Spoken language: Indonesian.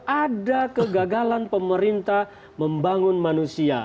ada kegagalan pemerintah membangun manusia